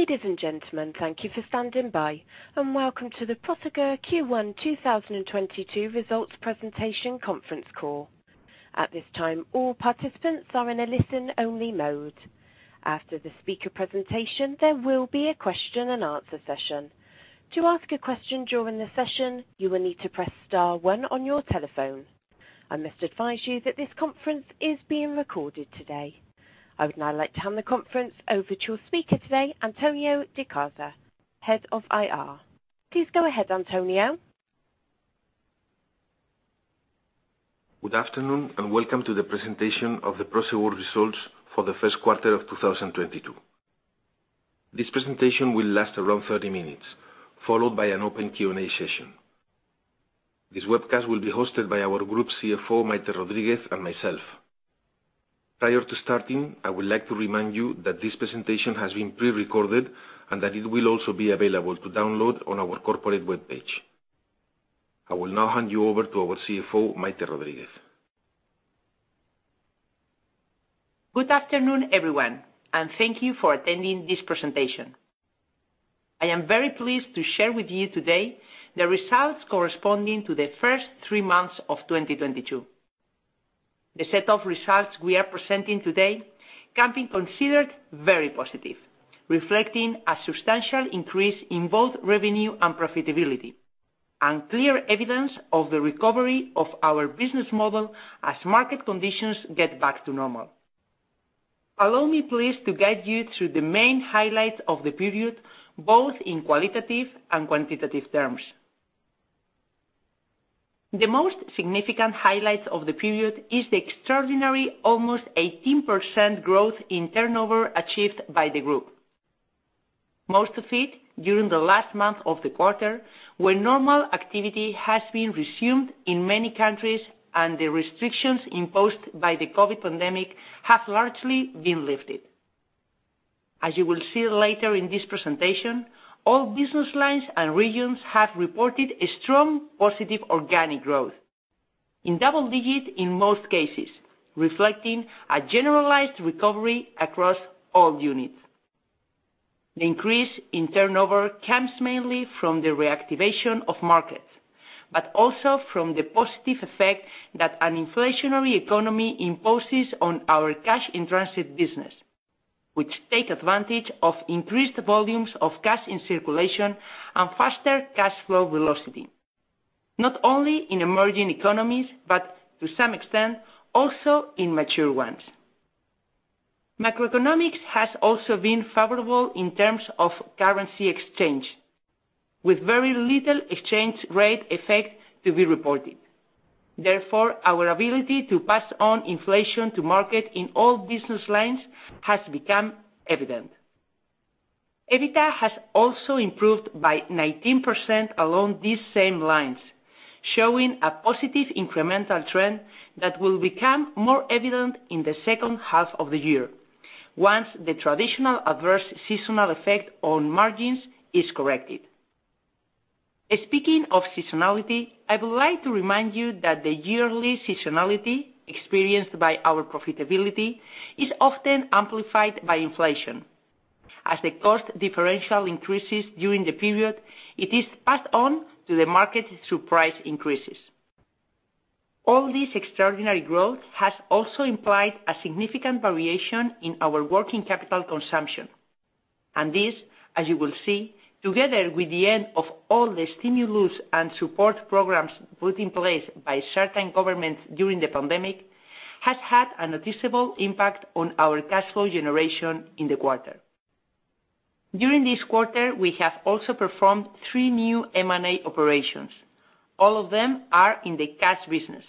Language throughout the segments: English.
Ladies and gentlemen, thank you for standing by, and welcome to the Prosegur Q1 2022 results presentation conference call. At this time, all participants are in a listen-only mode. After the speaker presentation, there will be a question and answer session. To ask a question during the session, you will need to press star one on your telephone. I must advise you that this conference is being recorded today. I would now like to hand the conference over to your speaker today, Antonio de Cárcer, Head of IR. Please go ahead, Antonio. Good afternoon, and welcome to the presentation of the Prosegur results for the first quarter of 2022. This presentation will last around 30 minutes, followed by an open Q&A session. This webcast will be hosted by our group CFO, Maite Rodriguez, and myself. Prior to starting, I would like to remind you that this presentation has been prerecorded, and that it will also be available to download on our corporate webpage. I will now hand you over to our CFO, Maite Rodriguez. Good afternoon, everyone, and thank you for attending this presentation. I am very pleased to share with you today the results corresponding to the first three months of 2022. The set of results we are presenting today can be considered very positive, reflecting a substantial increase in both revenue and profitability and clear evidence of the recovery of our business model as market conditions get back to normal. Allow me please to guide you through the main highlights of the period, both in qualitative and quantitative terms. The most significant highlights of the period is the extraordinary almost 18% growth in turnover achieved by the group. Most of it during the last month of the quarter, when normal activity has been resumed in many countries and the restrictions imposed by the COVID pandemic have largely been lifted. As you will see later in this presentation, all business lines and regions have reported a strong positive organic growth, in double digits in most cases, reflecting a generalized recovery across all units. The increase in turnover comes mainly from the reactivation of markets, but also from the positive effect that an inflationary economy imposes on our cash-in-transit business, which take advantage of increased volumes of cash in circulation and faster cash flow velocity, not only in emerging economies, but to some extent, also in mature ones. Macroeconomics has also been favorable in terms of currency exchange, with very little exchange rate effect to be reported. Therefore, our ability to pass on inflation to market in all business lines has become evident. EBITDA has also improved by 19% along these same lines, showing a positive incremental trend that will become more evident in the second half of the year once the traditional adverse seasonal effect on margins is corrected. Speaking of seasonality, I would like to remind you that the yearly seasonality experienced by our profitability is often amplified by inflation. As the cost differential increases during the period, it is passed on to the market through price increases. All this extraordinary growth has also implied a significant variation in our working capital consumption. This, as you will see, together with the end of all the stimulus and support programs put in place by certain governments during the pandemic, has had a noticeable impact on our cash flow generation in the quarter. During this quarter, we have also performed three new M&A operations. All of them are in the cash business.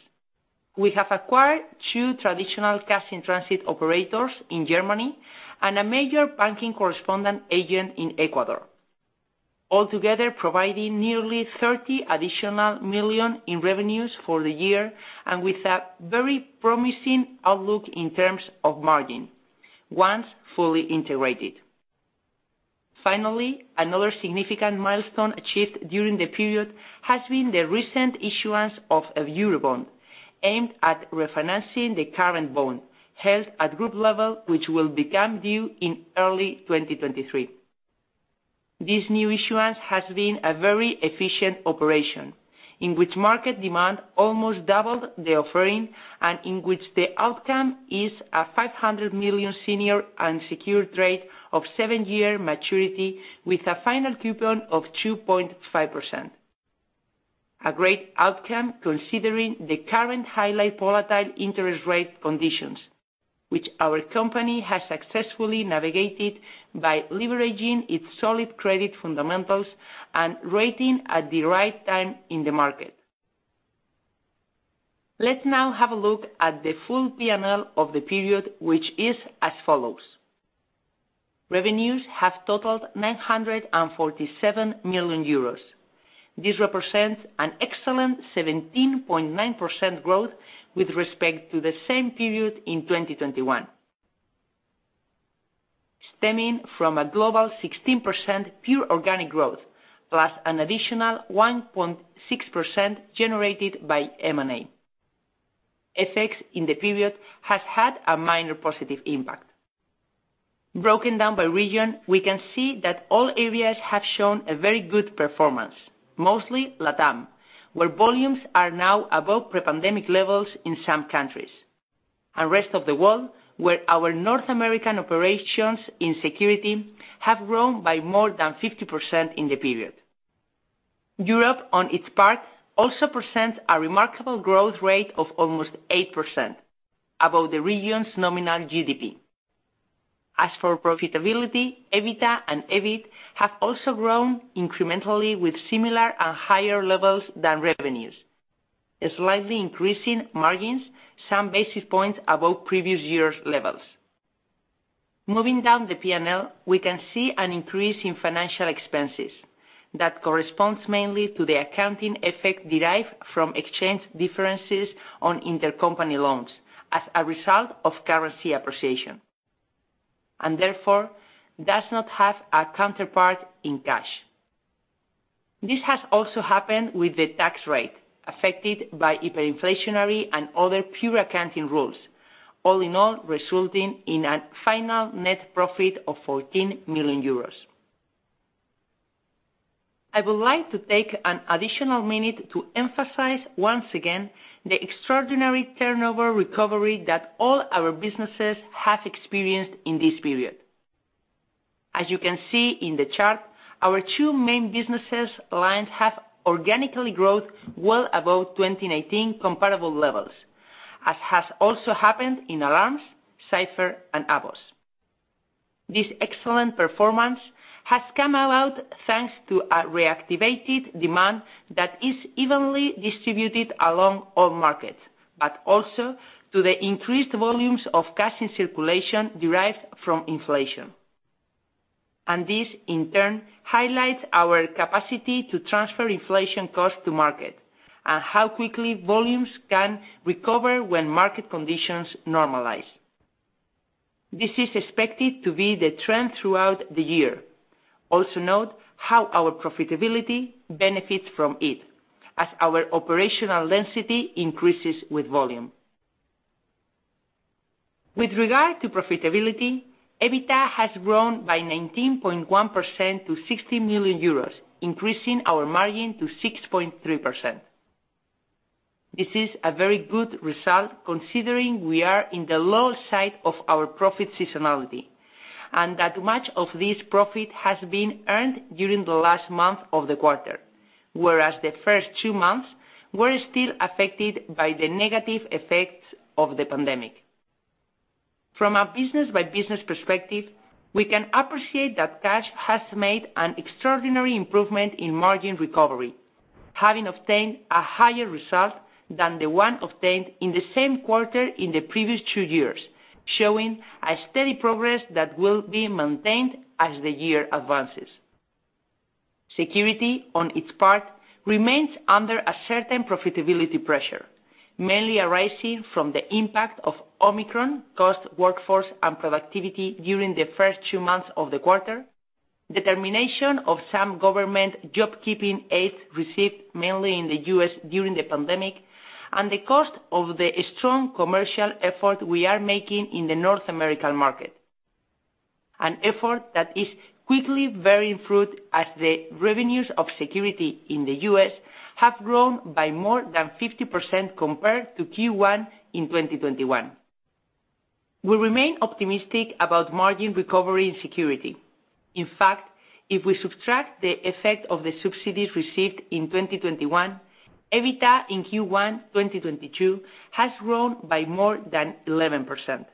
We have acquired two traditional cash-in-transit operators in Germany and a major banking correspondent agent in Ecuador, altogether providing nearly 30 million in revenues for the year, and with a very promising outlook in terms of margin once fully integrated. Finally, another significant milestone achieved during the period has been the recent issuance of a Eurobond aimed at refinancing the current bond held at group level, which will become due in early 2023. This new issuance has been a very efficient operation in which market demand almost doubled the offering, and in which the outcome is a 500 million senior unsecured note of seven-year maturity with a final coupon of 2.5%. A great outcome considering the current highly volatile interest rate conditions, which our company has successfully navigated by leveraging its solid credit fundamentals and rating at the right time in the market. Let's now have a look at the full P&L of the period, which is as follows. Revenues have totaled 947 million euros. This represents an excellent 17.9% growth with respect to the same period in 2021. Stemming from a global 16% pure organic growth, plus an additional 1.6% generated by M&A effects in the period has had a minor positive impact. Broken down by region, we can see that all areas have shown a very good performance. Mostly LATAM, where volumes are now above pre-pandemic levels in some countries. Rest of the world, where our North American operations in security have grown by more than 50% in the period. Europe, on its part, also presents a remarkable growth rate of almost 8% above the region's nominal GDP. As for profitability, EBITDA and EBIT have also grown incrementally with similar and higher levels than revenues, slightly increasing margins some basis points above previous years' levels. Moving down the P&L, we can see an increase in financial expenses that corresponds mainly to the accounting effect derived from exchange differences on intercompany loans as a result of currency appreciation, and therefore does not have a counterpart in cash. This has also happened with the tax rate, affected by hyperinflationary and other pure accounting rules, all in all, resulting in a final net profit of 14 million euros. I would like to take an additional minute to emphasize once again the extraordinary turnover recovery that all our businesses have experienced in this period. As you can see in the chart, our two main businesses' lines have organically growth well above 2019 comparable levels, as has also happened in Alarms, Cipher, and AVOS. This excellent performance has come about thanks to a reactivated demand that is evenly distributed along all markets, but also to the increased volumes of cash in circulation derived from inflation. This, in turn, highlights our capacity to transfer inflation costs to market, and how quickly volumes can recover when market conditions normalize. This is expected to be the trend throughout the year. Also note how our profitability benefits from it as our operational density increases with volume. With regard to profitability, EBITDA has grown by 19.1% to 60 million euros, increasing our margin to 6.3%. This is a very good result considering we are in the low side of our profit seasonality, and that much of this profit has been earned during the last month of the quarter, whereas the first two months were still affected by the negative effects of the pandemic. From a business by business perspective, we can appreciate that cash has made an extraordinary improvement in margin recovery, having obtained a higher result than the one obtained in the same quarter in the previous two years, showing a steady progress that will be maintained as the year advances. Security, on its part, remains under a certain profitability pressure, mainly arising from the impact of Omicron, costs, workforce, and productivity during the first two months of the quarter, the termination of some government job-keeping aids received mainly in the U.S. during the pandemic, and the cost of the strong commercial effort we are making in the North American market. An effort that is quickly bearing fruit as the revenues of security in the U.S. have grown by more than 50% compared to Q1 in 2021. We remain optimistic about margin recovery in security. In fact, if we subtract the effect of the subsidies received in 2021, EBITDA in Q1 2022 has grown by more than 11%.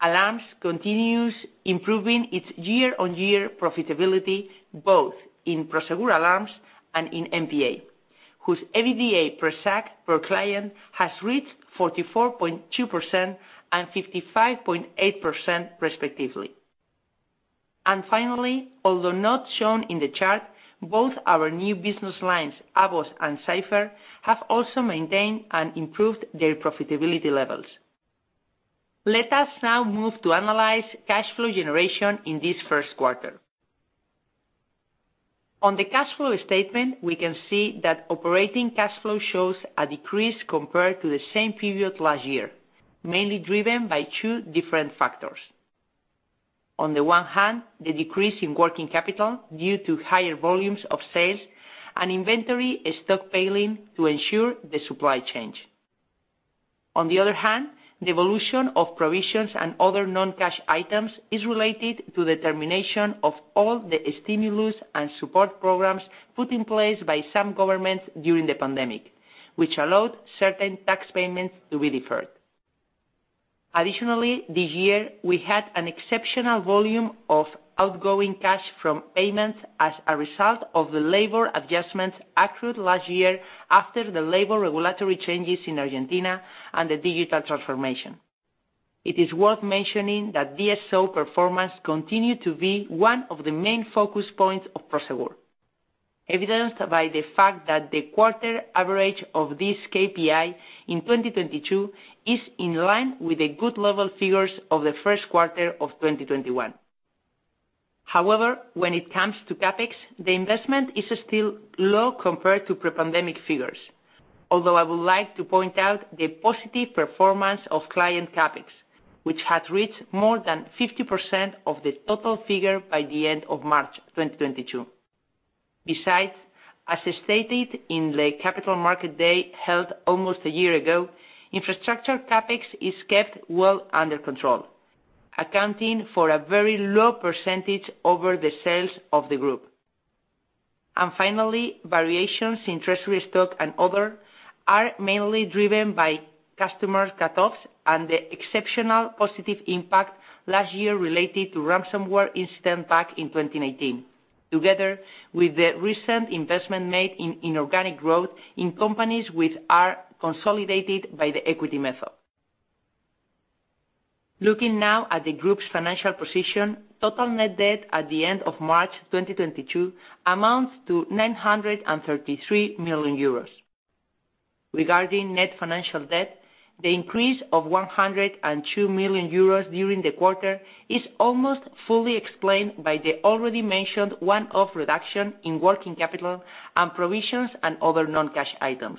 Alarms continues improving its year-on-year profitability, both in Prosegur Alarms and in MPA, whose EBITDA per SAC per client has reached 44.2% and 55.8% respectively. Finally, although not shown in the chart, both our new business lines, AVOS and Cipher, have also maintained and improved their profitability levels. Let us now move to analyze cash flow generation in this first quarter. On the cash flow statement, we can see that operating cash flow shows a decrease compared to the same period last year, mainly driven by two different factors. On the one hand, the increase in working capital due to higher volumes of sales and inventory stockpiling to ensure the supply chain. On the other hand, the evolution of provisions and other non-cash items is related to the termination of all the stimulus and support programs put in place by some governments during the pandemic, which allowed certain tax payments to be deferred. Additionally, this year, we had an exceptional volume of outgoing cash from payments as a result of the labor adjustments accrued last year after the labor regulatory changes in Argentina and the digital transformation. It is worth mentioning that DSO performance continued to be one of the main focus points of Prosegur, evidenced by the fact that the quarter average of this KPI in 2022 is in line with the good level figures of the first quarter of 2021. However, when it comes to CapEx, the investment is still low compared to pre-pandemic figures. Although I would like to point out the positive performance of client CapEx, which had reached more than 50% of the total figure by the end of March 2022. Besides, as stated in the capital market day held almost a year ago, infrastructure CapEx is kept well under control, accounting for a very low percentage over the sales of the group. Finally, variations in treasury stock and other are mainly driven by customer cut-offs and the exceptional positive impact last year related to ransomware incident back in 2019, together with the recent investment made in organic growth in companies which are consolidated by the equity method. Looking now at the group's financial position, total net debt at the end of March 2022 amounts to 933 million euros. Regarding net financial debt, the increase of 102 million euros during the quarter is almost fully explained by the already mentioned one-off reduction in working capital and provisions and other non-cash items.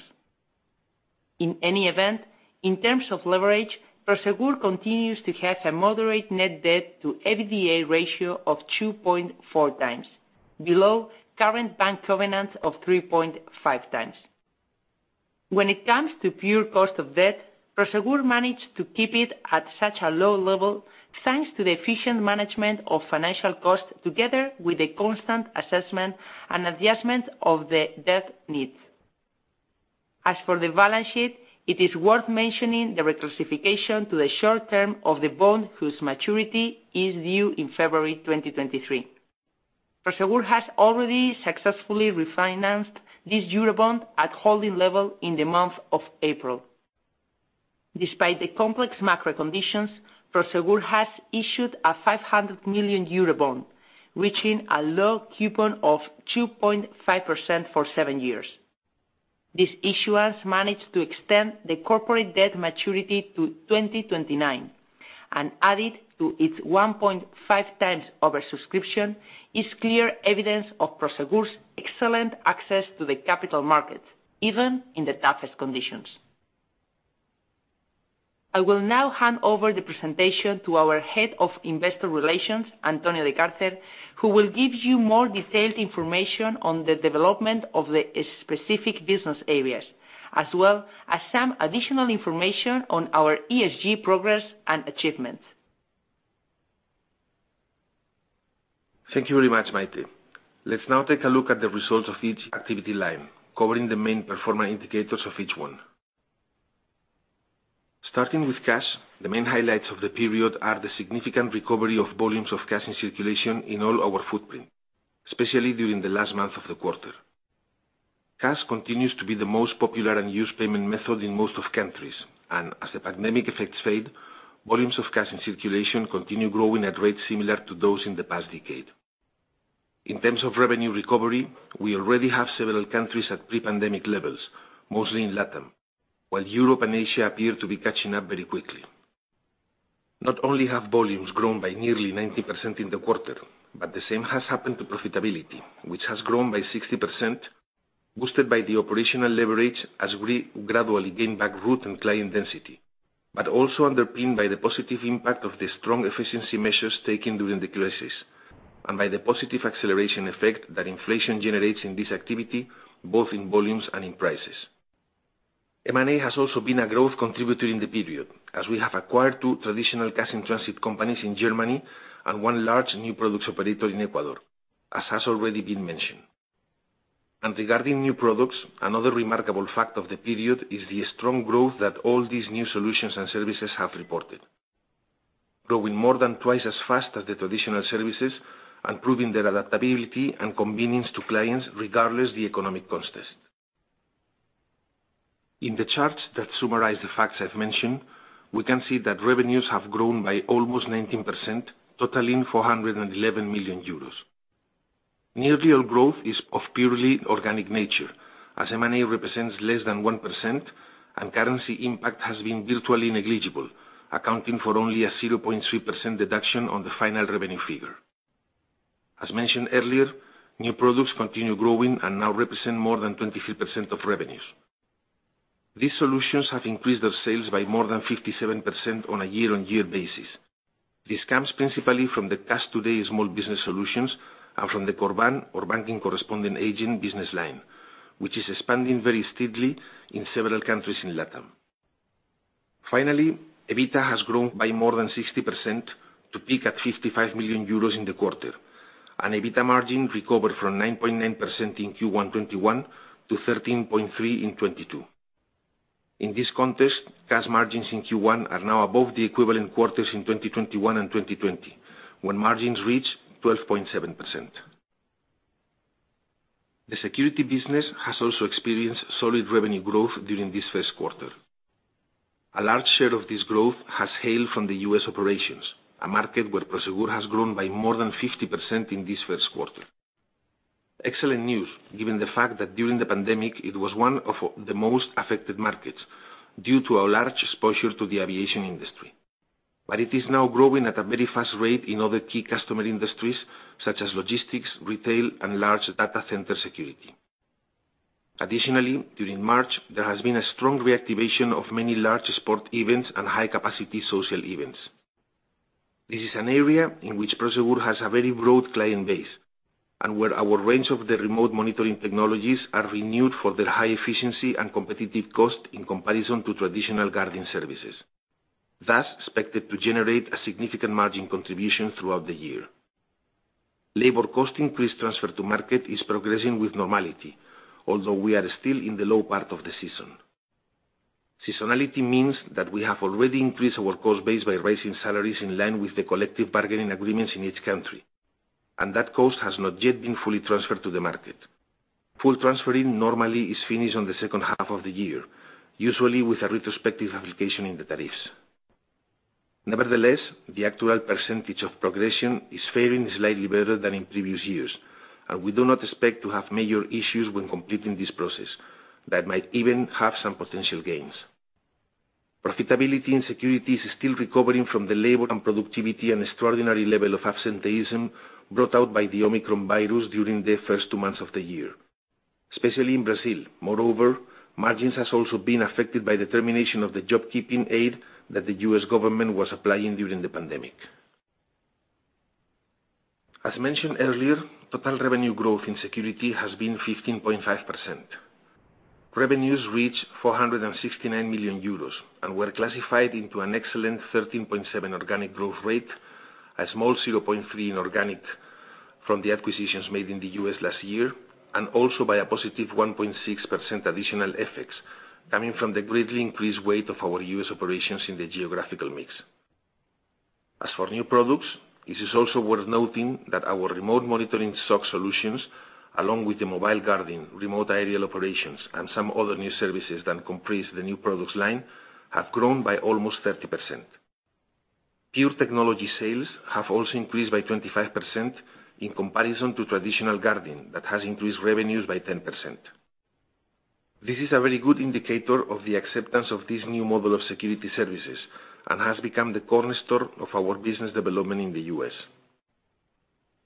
In any event, in terms of leverage, Prosegur continues to have a moderate net debt to EBITDA ratio of 2.4x, below current bank covenant of 3.5x. When it comes to pure cost of debt, Prosegur managed to keep it at such a low level, thanks to the efficient management of financial costs together with a constant assessment and adjustment of the debt needs. As for the balance sheet, it is worth mentioning the reclassification to the short-term of the bond whose maturity is due in February 2023. Prosegur has already successfully refinanced this Eurobond at holding level in the month of April. Despite the complex macro conditions, Prosegur has issued a 500 million Eurobond, reaching a low coupon of 2.5% for seven years. This issuance managed to extend the corporate debt maturity to 2029, and added to its 1.5x over subscription, is clear evidence of Prosegur's excellent access to the capital markets, even in the toughest conditions. I will now hand over the presentation to our Head of Investor Relations, Antonio de Cárcer, who will give you more detailed information on the development of the specific business areas, as well as some additional information on our ESG progress and achievements. Thank you very much, Maite. Let's now take a look at the results of each activity line, covering the main performance indicators of each one. Starting with cash, the main highlights of the period are the significant recovery of volumes of cash in circulation in all our footprint, especially during the last month of the quarter. Cash continues to be the most popular and used payment method in most of countries, and as the pandemic effects fade, volumes of cash in circulation continue growing at rates similar to those in the past decade. In terms of revenue recovery, we already have several countries at pre-pandemic levels, mostly in LATAM, while Europe and Asia appear to be catching up very quickly. Not only have volumes grown by nearly 90% in the quarter, but the same has happened to profitability, which has grown by 60%, boosted by the operational leverage as we gradually gain back route and client density. Also underpinned by the positive impact of the strong efficiency measures taken during the crisis, and by the positive acceleration effect that inflation generates in this activity, both in volumes and in prices. M&A has also been a growth contributor in the period, as we have acquired two traditional cash-in-transit companies in Germany and one large new products operator in Ecuador, as has already been mentioned. Regarding new products, another remarkable fact of the period is the strong growth that all these new solutions and services have reported, growing more than twice as fast as the traditional services and proving their adaptability and convenience to clients regardless of the economic context. In the charts that summarize the facts I've mentioned, we can see that revenues have grown by almost 19%, totaling 411 million euros. Nearly all growth is of purely organic nature, as M&A represents less than 1% and currency impact has been virtually negligible, accounting for only a 0.3% deduction on the final revenue figure. As mentioned earlier, new products continue growing and now represent more than 23% of revenues. These solutions have increased their sales by more than 57% on a year-on-year basis. This comes principally from the Cash Today small business solutions and from the Corban or banking correspondent agent business line, which is expanding very steadily in several countries in LATAM. EBITDA has grown by more than 60% to peak at 55 million euros in the quarter, and EBITDA margin recovered from 9.9% in Q1 2021 to 13.3% in 2022. In this context, cash margins in Q1 are now above the equivalent quarters in 2021 and 2020, when margins reached 12.7%. The security business has also experienced solid revenue growth during this first quarter. A large share of this growth has hailed from the U.S. operations, a market where Prosegur has grown by more than 50% in this first quarter. Excellent news, given the fact that during the pandemic, it was one of the most affected markets due to a large exposure to the aviation industry. It is now growing at a very fast rate in other key customer industries, such as logistics, retail, and large data center security. Additionally, during March, there has been a strong reactivation of many large sport events and high-capacity social events. This is an area in which Prosegur has a very broad client base, and where our range of the remote monitoring technologies are renowned for their high efficiency and competitive cost in comparison to traditional guarding services, thus expected to generate a significant margin contribution throughout the year. Labor cost increase transfer to market is progressing with normality, although we are still in the low part of the season. Seasonality means that we have already increased our cost base by raising salaries in line with the collective bargaining agreements in each country, and that cost has not yet been fully transferred to the market. Full transferring normally is finished on the second half of the year, usually with a retrospective application in the tariffs. Nevertheless, the actual percentage of progression is faring slightly better than in previous years, and we do not expect to have major issues when completing this process that might even have some potential gains. Profitability and security is still recovering from the labor and productivity and extraordinary level of absenteeism brought out by the Omicron virus during the first two months of the year, especially in Brazil. Moreover, margins has also been affected by the termination of the job keeping aid that the U.S. government was applying during the pandemic. As mentioned earlier, total revenue growth in security has been 15.5%. Revenues reached 469 million euros and were classified into an excellent 13.7% organic growth rate, a small 0.3% inorganic from the acquisitions made in the U.S. last year, and also by a positive 1.6% additional FX coming from the greatly increased weight of our U.S. operations in the geographical mix. As for new products, this is also worth noting that our remote monitoring SOC solutions, along with the mobile guarding, remote aerial operations, and some other new services that comprise the new products line, have grown by almost 30%. Pure technology sales have also increased by 25% in comparison to traditional guarding that has increased revenues by 10%. This is a very good indicator of the acceptance of this new model of security services and has become the cornerstone of our business development in the U.S.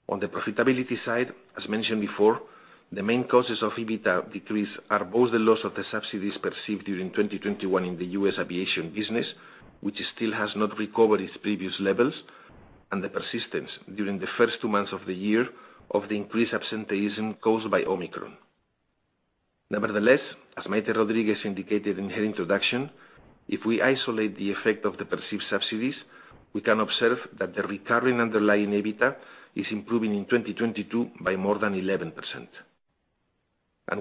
On the profitability side, as mentioned before, the main causes of EBITDA decrease are both the loss of the subsidies perceived during 2021 in the U.S. aviation business, which still has not recovered its previous levels, and the persistence during the first two months of the year of the increased absenteeism caused by Omicron. Nevertheless, as Maite Rodríguez indicated in her introduction, if we isolate the effect of the perceived subsidies, we can observe that the recurring underlying EBITDA is improving in 2022 by more than 11%.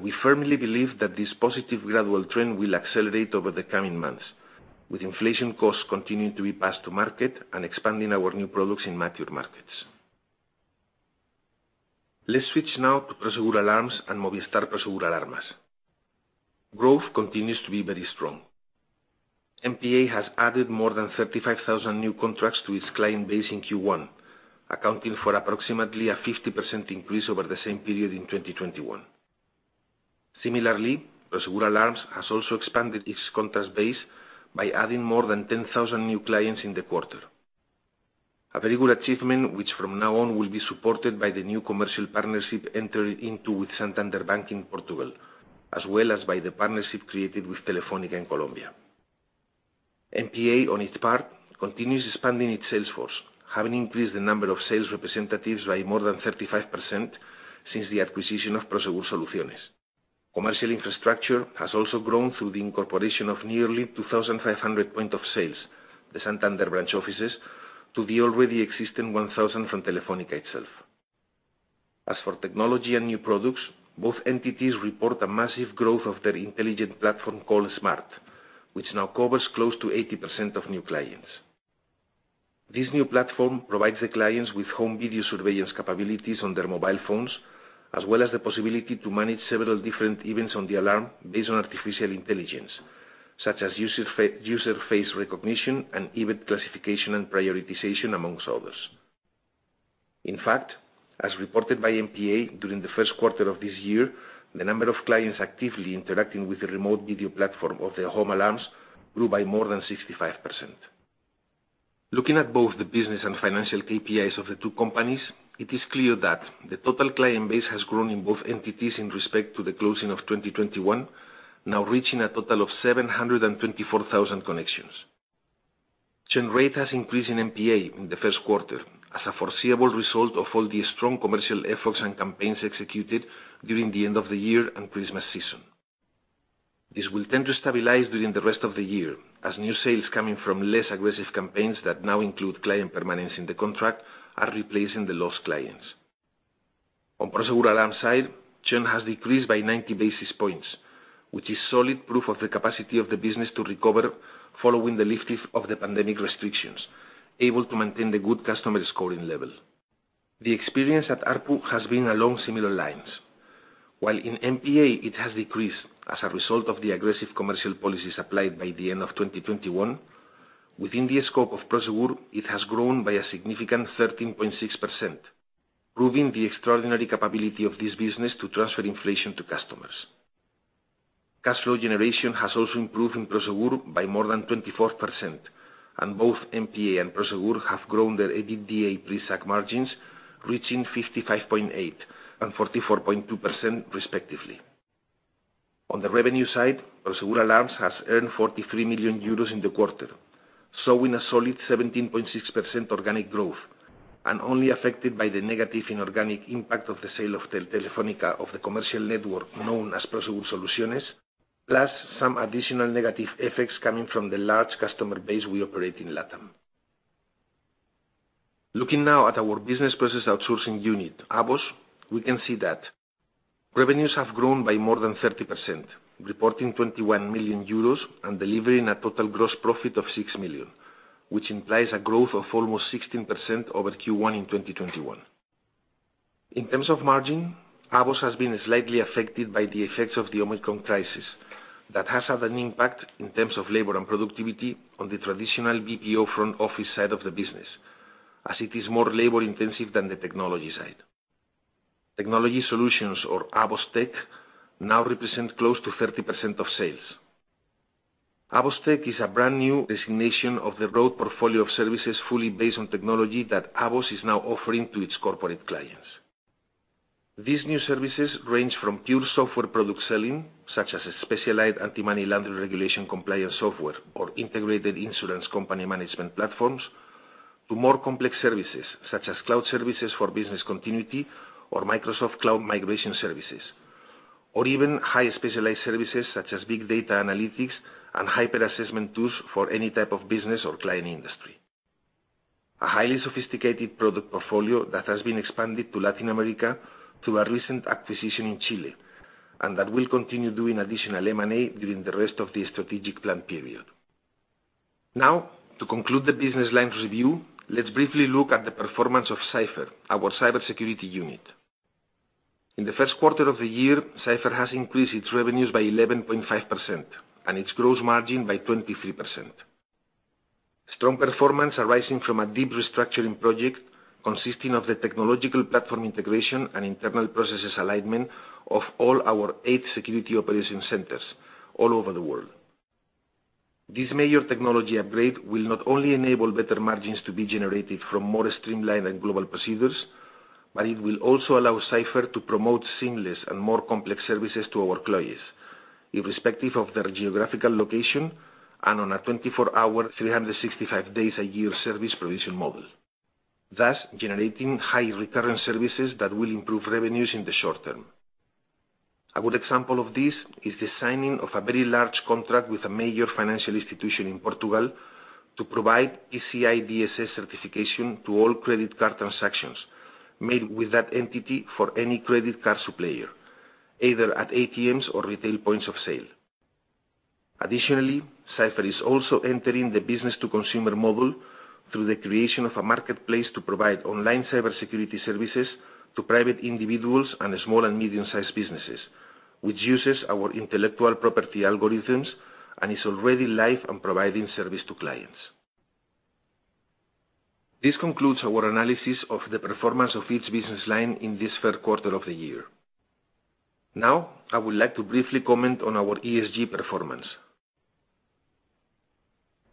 We firmly believe that this positive gradual trend will accelerate over the coming months, with inflation costs continuing to be passed to market and expanding our new products in mature markets. Let's switch now to Prosegur Alarms and Movistar Prosegur Alarmas. Growth continues to be very strong. MPA has added more than 35,000 new contracts to its client base in Q1, accounting for approximately a 50% increase over the same period in 2021. Similarly, Prosegur Alarms has also expanded its contracts base by adding more than 10,000 new clients in the quarter. A very good achievement, which from now on will be supported by the new commercial partnership entered into with Santander Portugal, as well as by the partnership created with Telefónica in Colombia. MPA, on its part, continues expanding its sales force, having increased the number of sales representatives by more than 35% since the acquisition of Prosegur Soluciones. Commercial infrastructure has also grown through the incorporation of nearly 2,500 points of sale, the Santander branch offices, to the already existing 1,000 from Telefónica itself. As for technology and new products, both entities report a massive growth of their intelligent platform called SMART, which now covers close to 80% of new clients. This new platform provides the clients with home video surveillance capabilities on their mobile phones, as well as the possibility to manage several different events on the alarm based on artificial intelligence, such as user face recognition and event classification and prioritization, among others. In fact, as reported by MPA during the first quarter of this year, the number of clients actively interacting with the remote video platform of their home alarms grew by more than 65%. Looking at both the business and financial KPIs of the two companies, it is clear that the total client base has grown in both entities in respect to the closing of 2021, now reaching a total of 724,000 connections. Churn rate has increased in MPA in the first quarter as a foreseeable result of all the strong commercial efforts and campaigns executed during the end of the year and Christmas season. This will tend to stabilize during the rest of the year as new sales coming from less aggressive campaigns that now include client permanence in the contract are replacing the lost clients. On Prosegur Alarms side, churn has decreased by 90 basis points, which is solid proof of the capacity of the business to recover following the lifting of the pandemic restrictions, able to maintain the good customer scoring level. The experience at ARPU has been along similar lines. While in MPA it has decreased as a result of the aggressive commercial policies applied by the end of 2021, within the scope of Prosegur, it has grown by a significant 13.6%, proving the extraordinary capability of this business to transfer inflation to customers. Cash flow generation has also improved in Prosegur by more than 24%, and both MPA and Prosegur have grown their EBITDA pre-SAC margins, reaching 55.8% and 44.2% respectively. On the revenue side, Prosegur Alarms has earned 43 million euros in the quarter, showing a solid 17.6% organic growth, and only affected by the negative inorganic impact of the sale to Telefónica of the commercial network known as Prosegur Soluciones, plus some additional negative effects coming from the large customer base we operate in LATAM. Looking now at our business process outsourcing unit, AVOS, we can see that revenues have grown by more than 30%, reporting 21 million euros and delivering a total gross profit of 6 million, which implies a growth of almost 16% over Q1 2021. In terms of margin, AVOS has been slightly affected by the effects of the Omicron crisis that has had an impact in terms of labor and productivity on the traditional BPO front office side of the business, as it is more labor-intensive than the technology side. Technology solutions, or AVOS Tech, now represent close to 30% of sales. AVOS Tech is a brand-new designation of the broad portfolio of services fully based on technology that AVOS is now offering to its corporate clients. These new services range from pure software product selling, such as specialized anti-money laundering regulation compliance software or integrated insurance company management platforms, to more complex services, such as cloud services for business continuity or Microsoft Cloud migration services, or even higher specialized services such as big data analytics and hyper assessment tools for any type of business or client industry. A highly sophisticated product portfolio that has been expanded to Latin America through our recent acquisition in Chile, and that will continue doing additional M&A during the rest of the strategic plan period. Now, to conclude the business lines review, let's briefly look at the performance of Cipher, our cybersecurity unit. In the first quarter of the year, Cipher has increased its revenues by 11.5% and its gross margin by 23%. Strong performance arising from a deep restructuring project consisting of the technological platform integration and internal processes alignment of all our eight security operation centers all over the world. This major technology upgrade will not only enable better margins to be generated from more streamlined and global procedures, but it will also allow Cipher to promote seamless and more complex services to our clients, irrespective of their geographical location and on a 24-hour, 365 days a year service provision model, thus generating high recurrent services that will improve revenues in the short-term. A good example of this is the signing of a very large contract with a major financial institution in Portugal to provide PCI DSS certification to all credit card transactions made with that entity for any credit card supplier, either at ATMs or retail points of sale. Additionally, Cipher is also entering the business to consumer model through the creation of a marketplace to provide online cybersecurity services to private individuals and the small and medium-sized businesses, which uses our intellectual property algorithms and is already live and providing service to clients. This concludes our analysis of the performance of each business line in this third quarter of the year. Now, I would like to briefly comment on our ESG performance.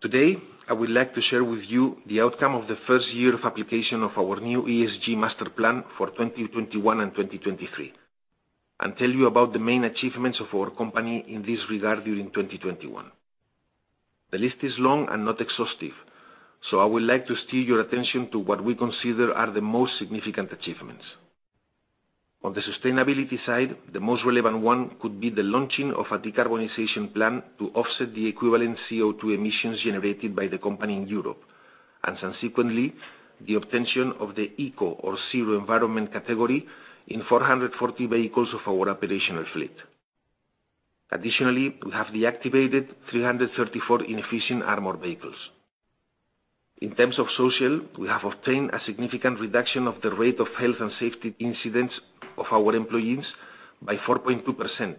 Today, I would like to share with you the outcome of the first year of application of our new ESG master plan for 2021 and 2023, and tell you about the main achievements of our company in this regard during 2021. The list is long and not exhaustive, so I would like to steer your attention to what we consider are the most significant achievements. On the sustainability side, the most relevant one could be the launching of a decarbonization plan to offset the equivalent CO2 emissions generated by the company in Europe, and subsequently, the obtention of the eco or zero environment category in 440 vehicles of our operational fleet. Additionally, we have deactivated 334 inefficient armor vehicles. In terms of social, we have obtained a significant reduction of the rate of health and safety incidents of our employees by 4.2%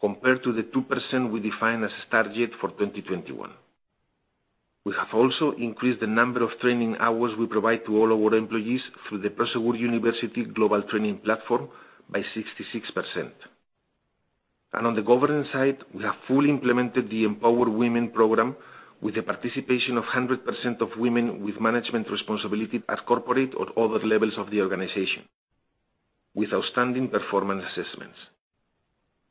compared to the 2% we defined as target for 2021. We have also increased the number of training hours we provide to all our employees through the Prosegur University global training platform by 66%. On the governance side, we have fully implemented the Empowered Women program with the participation of 100% of women with management responsibility at corporate or other levels of the organization with outstanding performance assessments.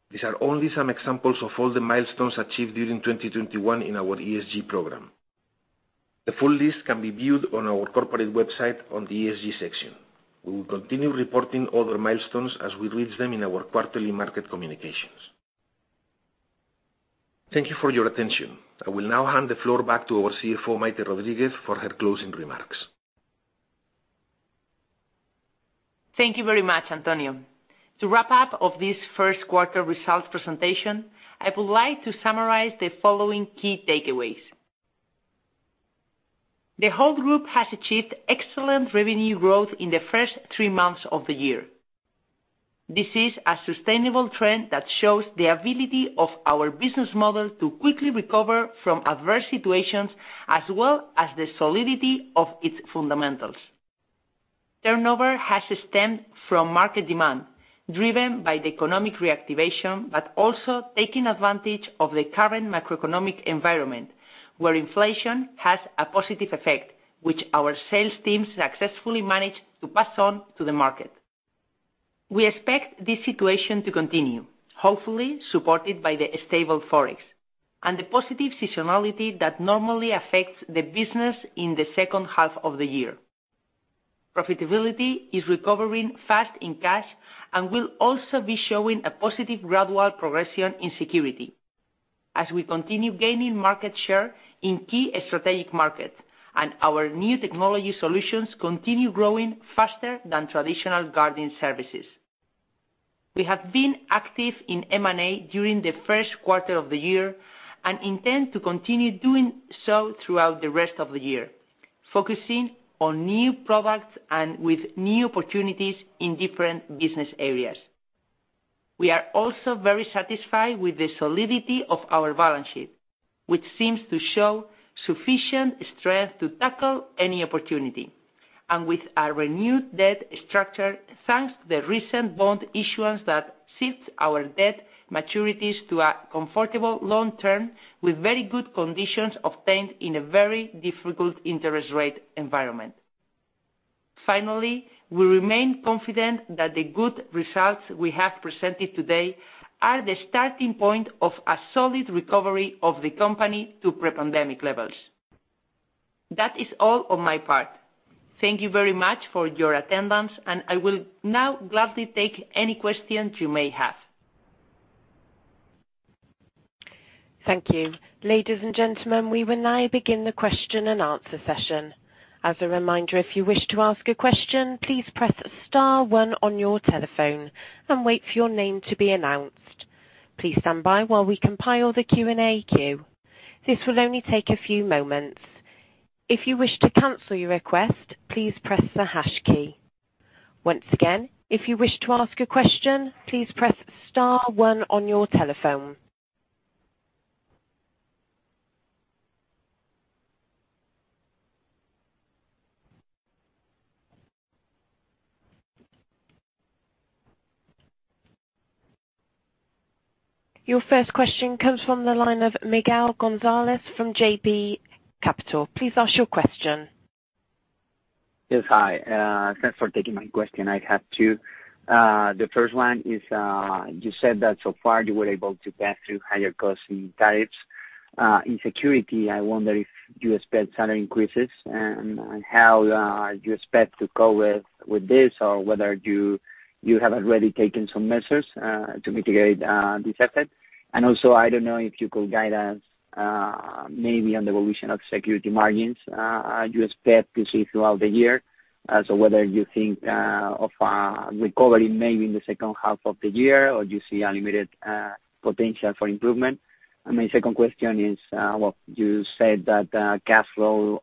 These are only some examples of all the milestones achieved during 2021 in our ESG program. The full list can be viewed on our corporate website on the ESG section. We will continue reporting all the milestones as we reach them in our quarterly market communications. Thank you for your attention. I will now hand the floor back to our CFO, Maite Rodriguez, for her closing remarks. Thank you very much, Antonio. To wrap up this first quarter results presentation, I would like to summarize the following key takeaways. The whole group has achieved excellent revenue growth in the first three months of the year. This is a sustainable trend that shows the ability of our business model to quickly recover from adverse situations, as well as the solidity of its fundamentals. Turnover has stemmed from market demand, driven by the economic reactivation, but also taking advantage of the current macroeconomic environment, where inflation has a positive effect, which our sales teams successfully managed to pass on to the market. We expect this situation to continue, hopefully supported by the stable Forex and the positive seasonality that normally affects the business in the second half of the year. Profitability is recovering fast in cash and will also be showing a positive gradual progression in security as we continue gaining market share in key strategic markets, and our new technology solutions continue growing faster than traditional guarding services. We have been active in M&A during the first quarter of the year and intend to continue doing so throughout the rest of the year, focusing on new products and with new opportunities in different business areas. We are also very satisfied with the solidity of our balance sheet, which seems to show sufficient strength to tackle any opportunity, and with a renewed debt structure, thanks to the recent bond issuance that shifts our debt maturities to a comfortable long-term with very good conditions obtained in a very difficult interest rate environment. Finally, we remain confident that the good results we have presented today are the starting point of a solid recovery of the company to pre-pandemic levels. That is all on my part. Thank you very much for your attendance, and I will now gladly take any questions you may have. Thank you. Ladies and gentlemen, we will now begin the question-and-answer session. As a reminder, if you wish to ask a question, please press star one on your telephone and wait for your name to be announced. Please stand by while we compile the Q&A queue. This will only take a few moments. If you wish to cancel your request, please press the hash key. Once again, if you wish to ask a question, please press star one on your telephone. Your first question comes from the line of Miguel González from JB Capital. Please ask your question. Yes. Hi. Thanks for taking my question. I have two. The first one is, you said that so far you were able to pass through higher costs in tariffs. In security, I wonder if you expect salary increases and how you expect to cope with this or whether you have already taken some measures to mitigate this effect. Also, I don't know if you could guide us, maybe on the evolution of security margins you expect to see throughout the year, so whether you think of recovery maybe in the second half of the year or do you see a limited potential for improvement? My second question is, well, you said that cash flow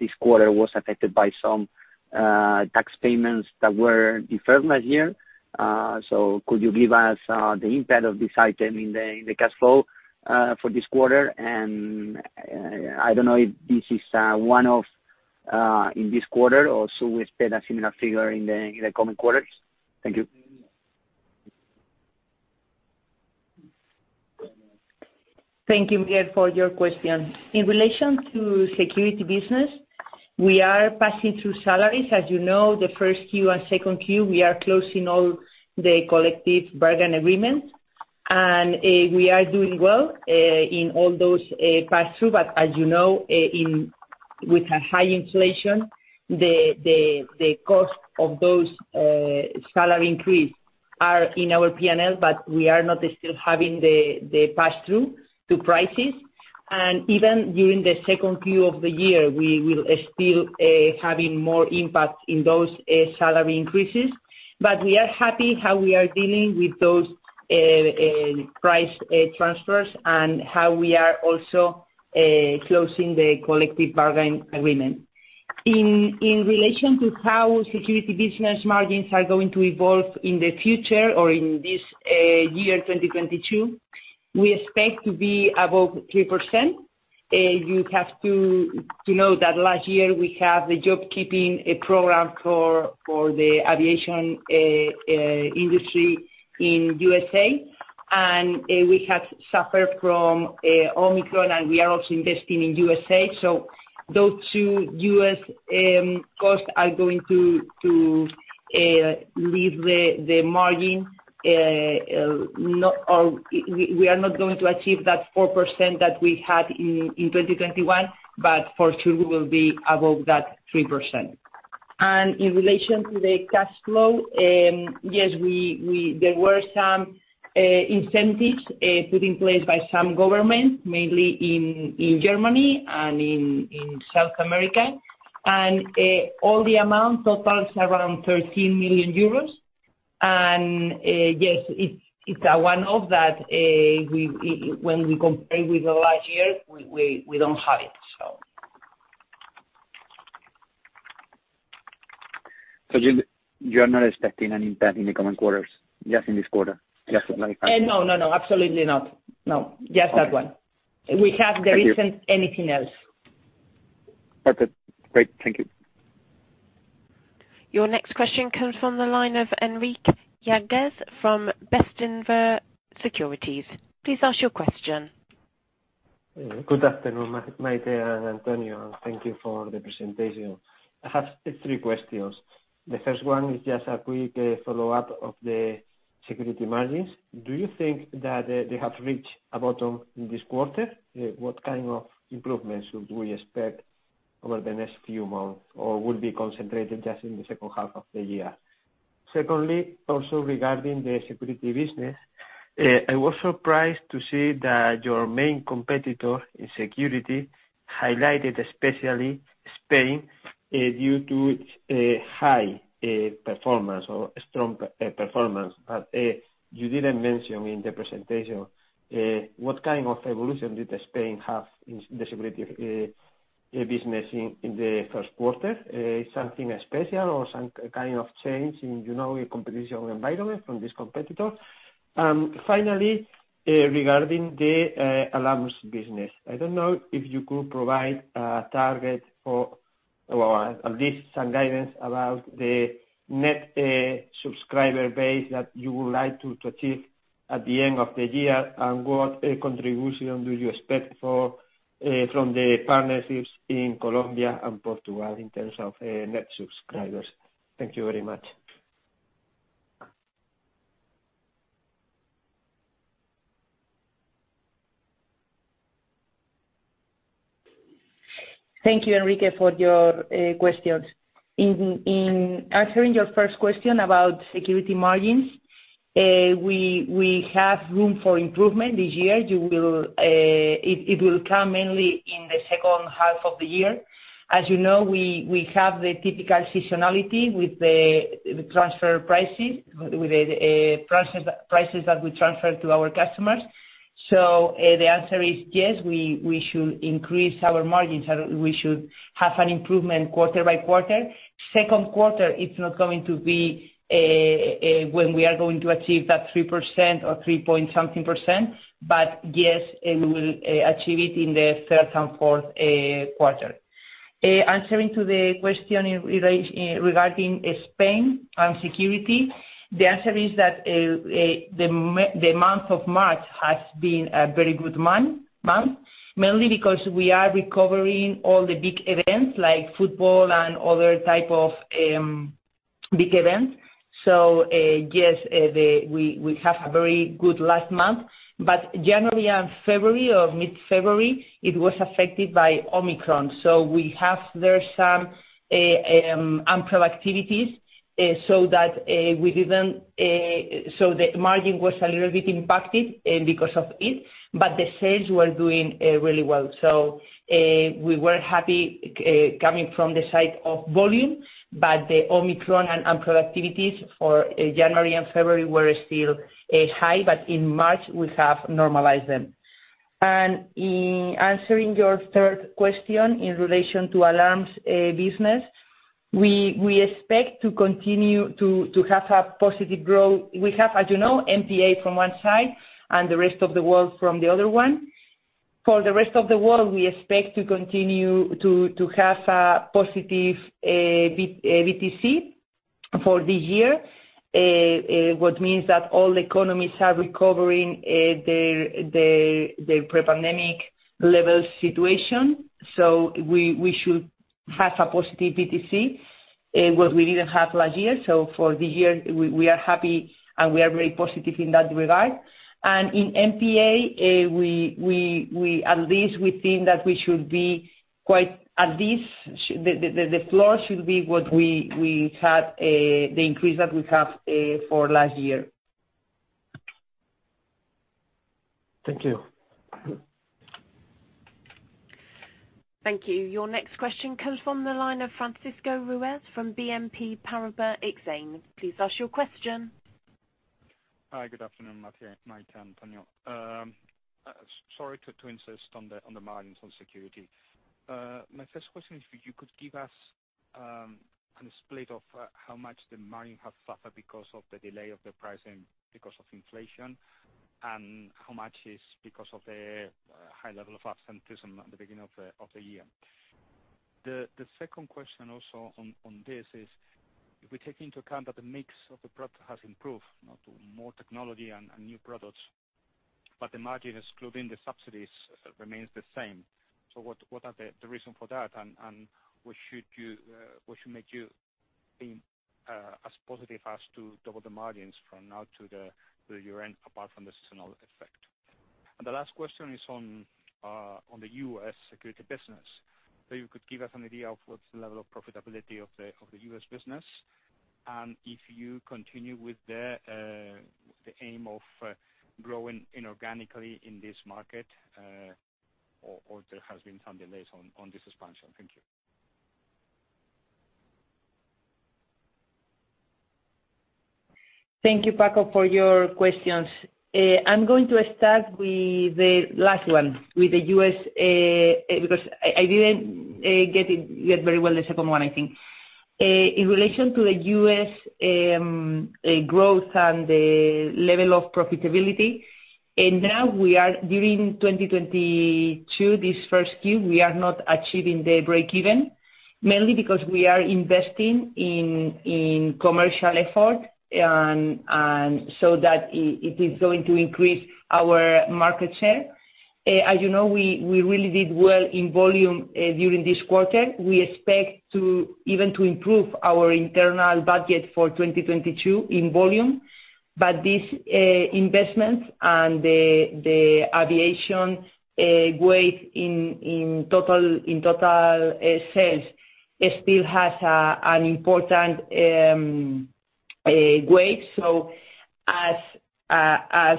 this quarter was affected by some tax payments that were deferred last year. Could you give us the impact of this item in the cash flow for this quarter? I don't know if this is one-off in this quarter or so we expect a similar figure in the coming quarters. Thank you. Thank you, Miguel, for your question. In relation to security business, we are passing through salaries. As you know, the first Q and second Q, we are closing all the collective bargaining agreement. We are doing well in all those pass-through. But as you know, with a high inflation, the cost of those salary increase are in our P&L, but we are not still having the pass-through to prices. Even during the second Q of the year, we will still having more impact in those salary increases. But we are happy how we are dealing with those price transfers and how we are also closing the collective bargaining agreement. In relation to how security business margins are going to evolve in the future or in this year, 2022, we expect to be above 3%. You have to know that last year we had the jobkeeping program for the aviation industry in USA, and we have suffered from Omicron, and we are also investing in USA. So those two US costs are going to leave the margin. We are not going to achieve that 4% that we had in 2021, but for sure we will be above that 3%. In relation to the cash flow, yes, there were some incentives put in place by some government, mainly in Germany and in South America. All the amount totals around 13 million euros. Yes, it's a one-off that, when we compare with the last year, we don't have it. You're not expecting any impact in the coming quarters, just in this quarter? Just like last time. No, no, absolutely not, no. Okay. Just that one. Thank you. There isn't anything else. Perfect. Great. Thank you. Your next question comes from the line of Enrique Yáguez from Bestinver Securities. Please ask your question. Good afternoon, Maite and Antonio, and thank you for the presentation. I have three questions. The first one is just a quick follow-up of the security margins. Do you think that they have reached a bottom this quarter? What kind of improvements should we expect over the next few months, or will it be concentrated just in the second half of the year? Secondly, also regarding the security business, I was surprised to see that your main competitor in security highlighted especially Spain due to high performance or strong performance. You didn't mention in the presentation what kind of evolution did Spain have in the security business in the first quarter? Something special or some kind of change in, you know, your competitive environment from this competitor? Finally, regarding the alarms business, I don't know if you could provide a target for or at least some guidance about the net subscriber base that you would like to achieve at the end of the year, and what contribution do you expect for from the partnerships in Colombia and Portugal in terms of net subscribers? Thank you very much. Thank you, Enrique, for your questions. In answering your first question about security margins, we have room for improvement this year. It will come mainly in the second half of the year. As you know, we have the typical seasonality with the transfer prices, with the prices that we transfer to our customers. The answer is yes, we should increase our margins, and we should have an improvement quarter-by-quarter. Second quarter, it is not going to be when we are going to achieve that 3% or three-point-something percent, but yes, we will achieve it in the third and fourth quarter. Answering to the question in relation regarding Spain and security, the answer is that the month of March has been a very good month, mainly because we are recovering all the big events like football and other type of big events. Yes, we have a very good last month, but January and February or mid-February, it was affected by Omicron. We have there some unproductivities, so that we didn't. The margin was a little bit impacted because of it, but the sales were doing really well. We were happy coming from the side of volume, but the Omicron and unproductivities for January and February were still high, but in March, we have normalized them. In answering your third question in relation to alarms business, we expect to continue to have a positive growth. We have, as you know, MPA from one side and the rest of the world from the other one. For the rest of the world, we expect to continue to have a positive NTC for this year. What means that all economies are recovering their pre-pandemic level situation, so we should have a positive NTC, what we didn't have last year. For this year, we are happy, and we are very positive in that regard. In MPA, we at least think that we should be quite at least the floor should be what we had, the increase that we had for last year. Thank you. Thank you. Your next question comes from the line of Francisco Ruiz from BNP Paribas Exane. Please ask your question. Hi, good afternoon, Maite, Antonio. Sorry to insist on the margins on security. My first question is if you could give us a split of how much the margin have suffered because of the delay of the pricing because of inflation, and how much is because of the high level of absenteeism at the beginning of the year. The second question also on this is if we take into account that the mix of the product has improved, you know, to more technology and new products, but the margin excluding the subsidies remains the same. So what are the reason for that, and what should make you be as positive as to double the margins from now to the year-end, apart from the seasonal effect? The last question is on the US security business. You could give us an idea of what's the level of profitability of the US business, and if you continue with the aim of growing inorganically in this market, or there has been some delays on this expansion. Thank you. Thank you, Francisco, for your questions. I'm going to start with the last one, with the US, because I didn't get it yet very well, the second one, I think. In relation to the US, growth and the level of profitability, and now we are doing 2022, this first Q, we are not achieving the break even, mainly because we are investing in commercial effort and so that it is going to increase our market share. As you know, we really did well in volume during this quarter. We expect to even improve our internal budget for 2022 in volume. This investment and the aviation weight in total sales, it still has an important weight. As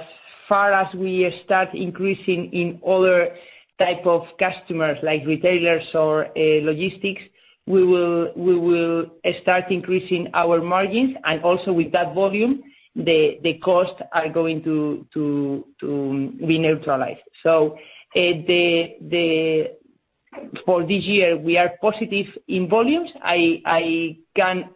far as we start increasing in other type of customers like retailers or logistics, we will start increasing our margins and also with that volume, the costs are going to be neutralized. For this year we are positive in volumes. I can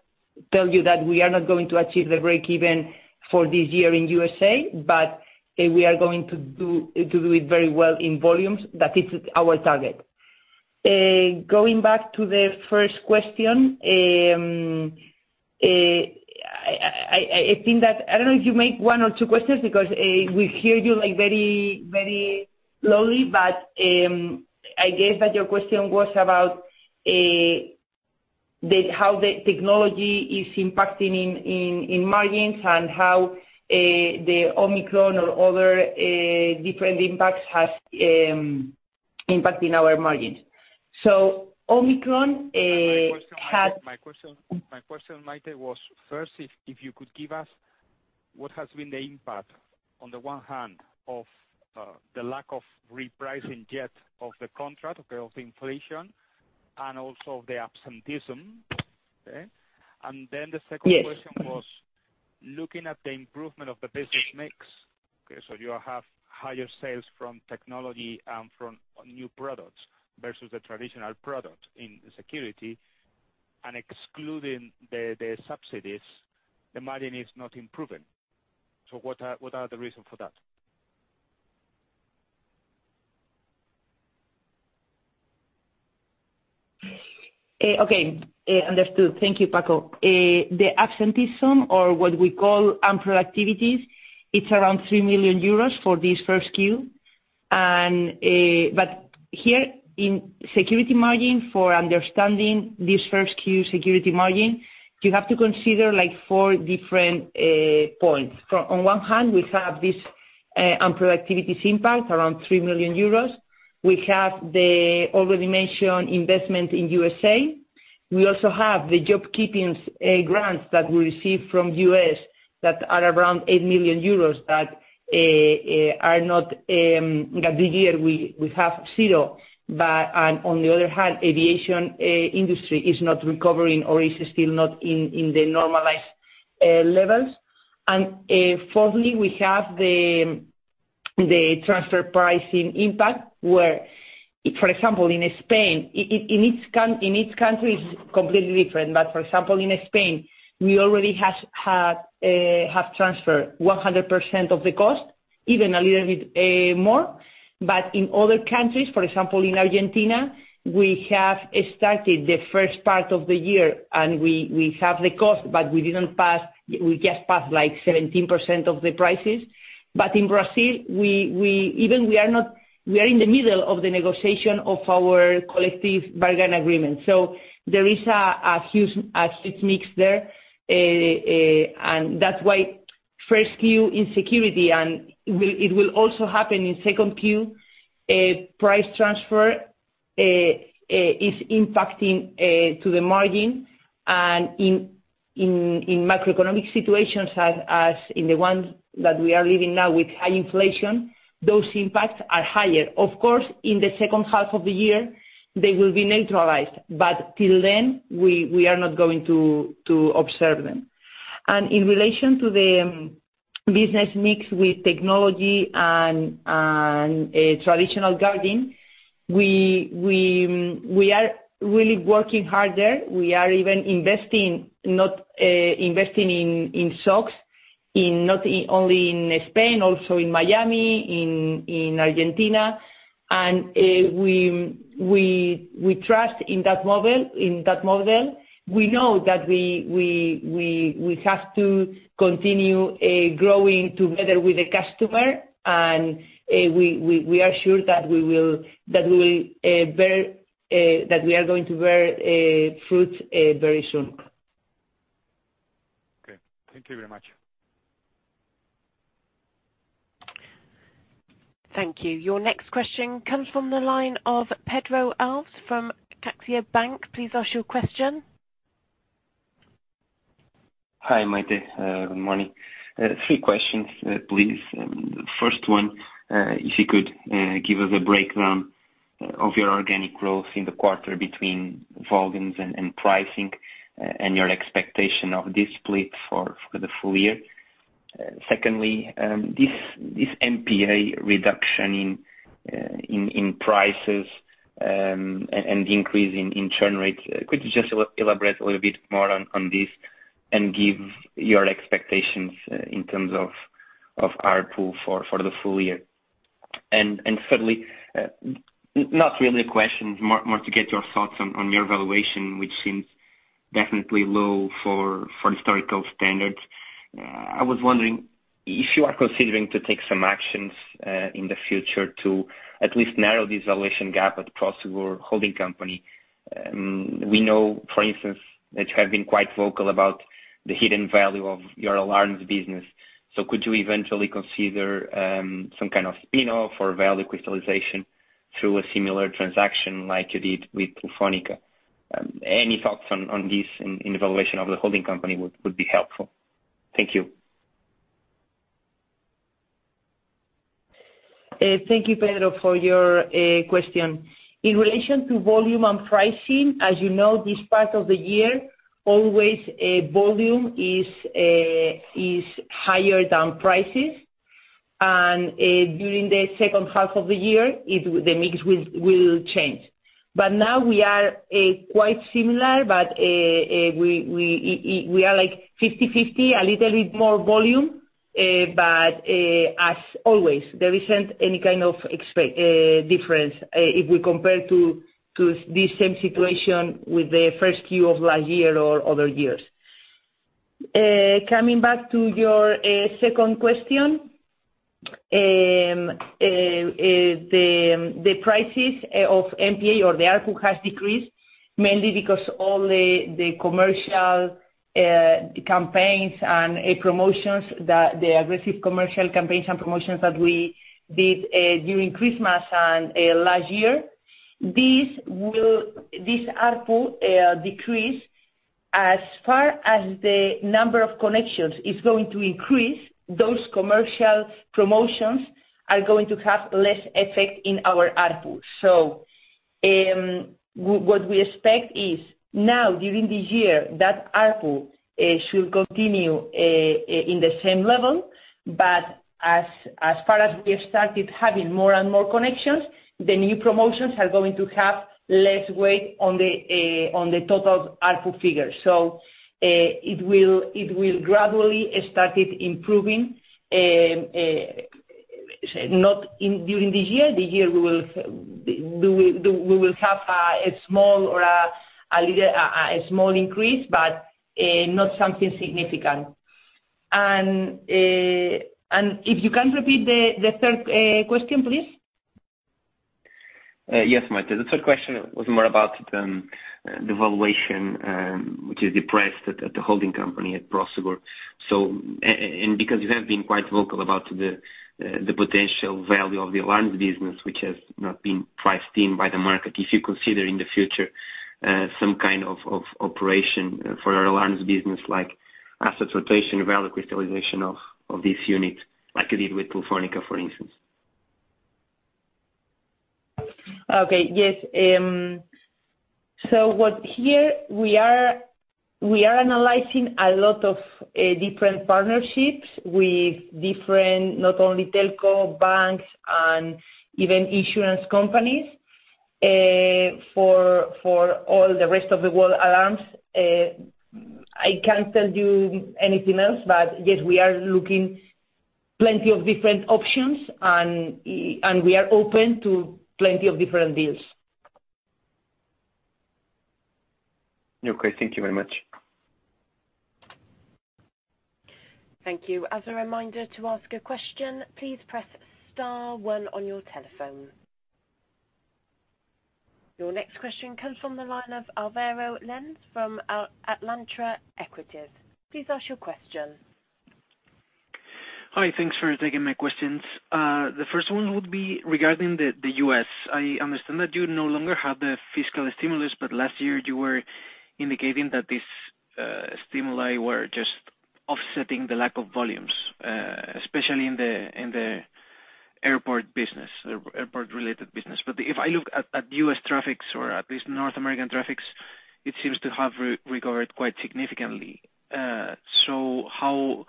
tell you that we are not going to achieve the break-even for this year in USA, but we are going to do it very well in volumes. That is our target. Going back to the first question, I think that I don't know if you make one or two questions because we hear you like very lowly. I guess that your question was about how the technology is impacting in margins and how the Omicron or other different impacts has impact in our margins. Omicron had. My question, Maite, was first if you could give us what has been the impact on the one hand of the lack of repricing yet of the contract of inflation and also the absenteeism. Okay? The second question. Yes. Was looking at the improvement of the business mix, okay, so you have higher sales from technology and from new products versus the traditional product in security, and excluding the subsidies, the margin is not improving. What are the reason for that? Okay, understood. Thank you, Francisco. The absenteeism or what we call unproductivities, it's around 3 million euros for this first Q. Here in security margin for understanding this first Q security margin, you have to consider like four different points. On one hand we have this unproductivities impact around 3 million euros. We have the already mentioned investment in U.S. We also have the job keepings grants that we receive from U.S. that are around 8 million euros that are not the year we have zero. On the other hand, aviation industry is not recovering or is still not in the normalized levels. Fourthly, we have the transfer pricing impact where, for example, in each country is completely different, but for example in Spain, we have transferred 100% of the cost even a little bit more. But in other countries, for example, in Argentina, we have started the first part of the year and we have the cost, but we didn't pass, we just passed like 17% of the prices. But in Brazil, we are in the middle of the negotiation of our collective bargaining agreement. So there is a huge mismatch there. That's why Q1 in security, it will also happen in Q2, transfer pricing is impacting the margin. In macroeconomic situations as in the one that we are living now with high inflation, those impacts are higher. Of course, in the second half of the year they will be neutralized, but till then we are not going to observe them. In relation to the business mix with technology and traditional guarding, we are really working harder. We are even investing in SOCs, not only in Spain, also in Miami, in Argentina. We trust in that model. We know that we have to continue growing together with the customer and we are sure that we will bear fruit very soon. Okay. Thank you very much. Thank you. Your next question comes from the line of Pedro Alves from CaixaBank. Please ask your question. Hi, Maite. Good morning. Three questions, please. First one, if you could give us a breakdown of your organic growth in the quarter between volumes and pricing, and your expectation of this split for the full year. Secondly, this MPA reduction in prices and the increase in churn rates, could you just elaborate a little bit more on this and give your expectations in terms of ARPU for the full year? Thirdly, not really a question, more to get your thoughts on your valuation, which seems definitely low for historical standards. I was wondering if you are considering to take some actions in the future to at least narrow this valuation gap at Prosegur holding company. We know, for instance, that you have been quite vocal about the hidden value of your alarms business. Could you eventually consider some kind of spin-off or value crystallization through a similar transaction like you did with Telefónica? Any thoughts on this in evaluation of the holding company would be helpful. Thank you. Thank you, Pedro, for your question. In relation to volume and pricing, as you know, this part of the year, volume is always higher than prices. During the second half of the year, the mix will change. But now we are quite similar, but we are like 50-50, a little bit more volume. As always, there isn't any kind of difference if we compare to this same situation with the first Q of last year or other years. Coming back to your second question, the prices of MPA or the ARPU has decreased mainly because all the aggressive commercial campaigns and promotions that we did during Christmas and last year. This ARPU decrease as far as the number of connections is going to increase, those commercial promotions are going to have less effect in our ARPU. What we expect is now during this year, that ARPU should continue in the same level, but as far as we have started having more and more connections, the new promotions are going to have less weight on the total ARPU figure. It will gradually started improving, not during this year. The year we will have a small increase, but not something significant. If you can repeat the third question, please. Yes, Maite. The third question was more about the valuation, which is depressed at the holding company at Prosegur. And because you have been quite vocal about the potential value of the alarms business, which has not been priced in by the market, if you consider in the future some kind of operation for alarms business, like assets rotation, value crystallization of this unit, like you did with Telefónica, for instance. Okay. Yes, where we are, we are analyzing a lot of different partnerships with different, not only telco, banks and even insurance companies, for all the rest of the world alarms. I can't tell you anything else, but yes, we are looking at plenty of different options and we are open to plenty of different deals. Okay. Thank you very much. Thank you. As a reminder to ask a question, please press star one on your telephone. Your next question comes from the line of Álvaro Lenze from Alantra Equities. Please ask your question. Hi. Thanks for taking my questions. The first one would be regarding the US. I understand that you no longer have the fiscal stimulus, but last year you were indicating that this stimuli were just offsetting the lack of volumes, especially in the airport business or airport-related business. If I look at US traffic or at least North American traffic, it seems to have recovered quite significantly. So how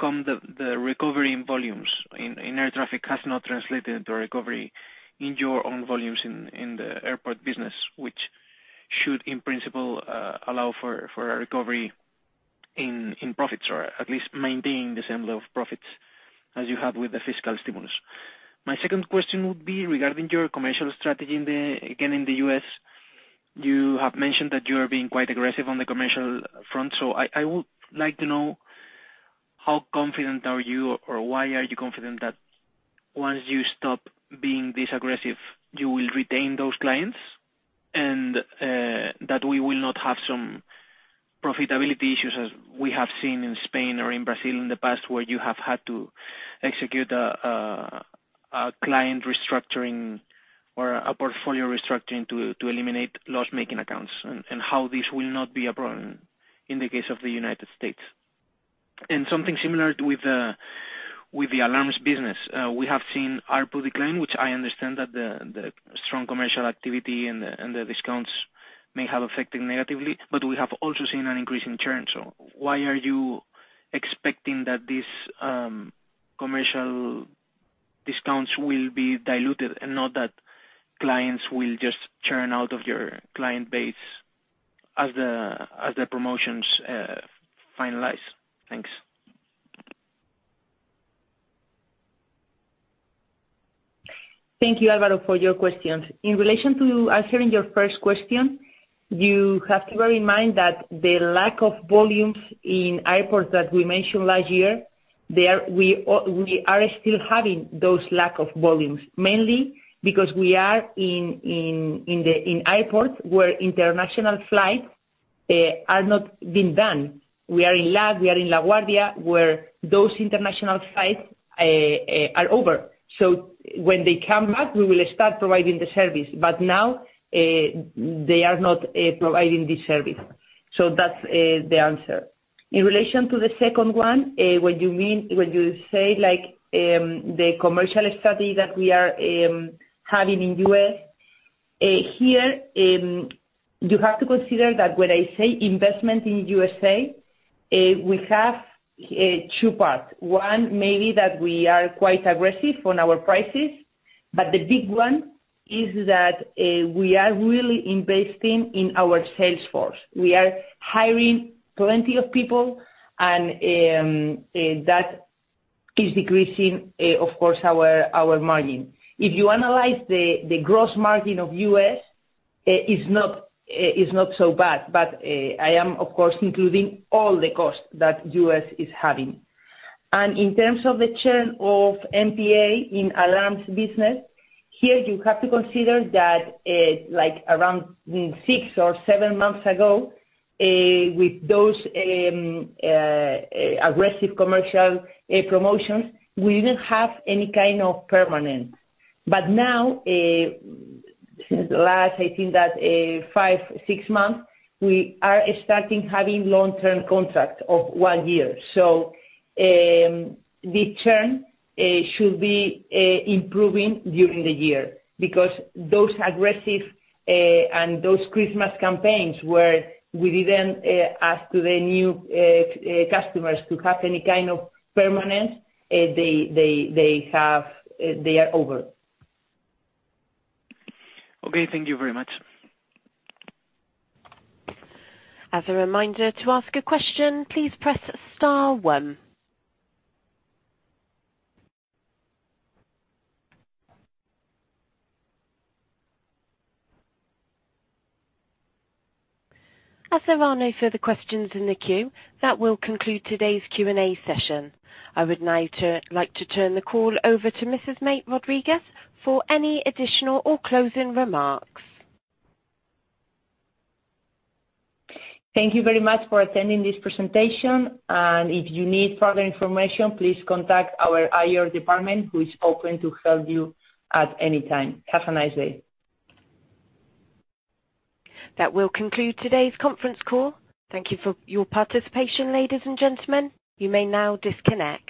come the recovery in volumes in air traffic has not translated into a recovery in your own volumes in the airport business, which should in principle allow for a recovery in profits or at least maintain the same level of profits as you have with the fiscal stimulus? My second question would be regarding your commercial strategy in the, again, in the US. You have mentioned that you are being quite aggressive on the commercial front. I would like to know how confident are you or why are you confident that once you stop being this aggressive, you will retain those clients and that we will not have some profitability issues as we have seen in Spain or in Brazil in the past, where you have had to execute a client restructuring or a portfolio restructuring to eliminate loss-making accounts and how this will not be a problem in the case of the United States. Something similar with the alarms business. We have seen ARPU decline, which I understand that the strong commercial activity and the discounts may have affected negatively, but we have also seen an increase in churn. Why are you expecting that this commercial discounts will be diluted and not that clients will just churn out of your client base as the promotions finalize? Thanks. Thank you, Álvaro, for your questions. In relation to answering your first question, you have to bear in mind that the lack of volumes in airports that we mentioned last year we are still having those lack of volumes, mainly because we are in airports where international flights are not being done. We are in L.A., we are in LaGuardia, where those international flights are over. So when they come back, we will start providing the service, but now they are not providing the service. So that's the answer. In relation to the second one, what you say, like, the commercial study that we are having in U.S. here, you have to consider that when I say investment in USA, we have two parts. One, maybe that we are quite aggressive on our prices, but the big one is that we are really investing in our sales force. We are hiring plenty of people and that is decreasing, of course, our margin. If you analyze the gross margin of AVOS is not so bad, but I am of course including all the costs that AVOS is having. In terms of the churn of MPA in alarms business, here you have to consider that like around six or seven months ago with those aggressive commercial promotions, we didn't have any kind of permanency. But now since last, I think that five, six months, we are starting having long-term contracts of one year. The churn should be improving during the year because those aggressive and those Christmas campaigns where we didn't ask the new customers to have any kind of permanent. They are over. Okay, thank you very much. As a reminder, to ask a question, please press star one. As there are no further questions in the queue, that will conclude today's Q&A session. I would now like to turn the call over to Mrs. Maite Rodriguez for any additional or closing remarks. Thank you very much for attending this presentation. If you need further information, please contact our IR department, who is open to help you at any time. Have a nice day. That will conclude today's conference call. Thank you for your participation, ladies and gentlemen. You may now disconnect.